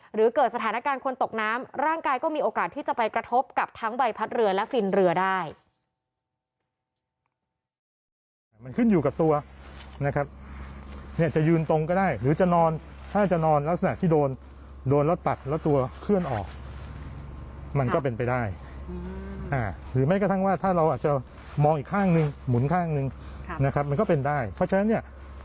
หรือเกิดสถานการณ์คนตกน้ำร่างกายก็มีโอกาสที่จะไปกระทบกับทั้งใบพัดเรือและฟินเรือได้